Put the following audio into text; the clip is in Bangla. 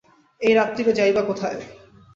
এই রাত্তিরে যাই বা কোথায়?